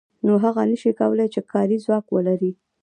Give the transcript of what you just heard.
نو هغه نشي کولای چې کاري ځواک ولري